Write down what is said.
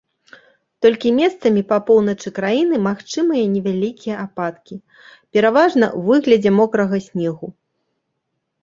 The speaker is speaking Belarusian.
Толькі месцамі па поўначы краіны магчымыя невялікія ападкі, пераважна ў выглядзе мокрага снегу.